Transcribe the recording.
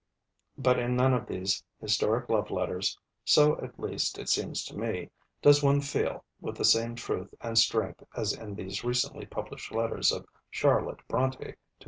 But in none of these historic love letters (so, at least, it seems to me) does one feel, with the same truth and strength as in these recently published letters of Charlotte Brontë to M.